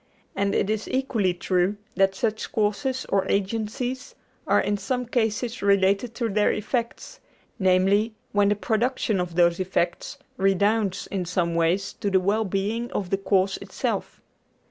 And it is equally true that such causes or agencies are in some cases related to their effects, namely, when the production of those effects redounds in some way to the well being of the cause itself.